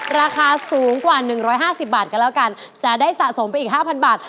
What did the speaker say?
ราคาสูงกว่า๑๕๐บาทกันแล้วกันจะได้สะสมไปอีก๕๐๐บาท